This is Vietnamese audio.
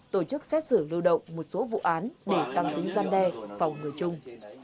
tổ chức xét xử lưu động một số vụ án để tăng tính gian đe phòng ngừa chung